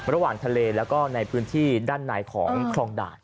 ระหว่างทะเลแล้วก็ในพื้นที่ด้านในของครองด่าน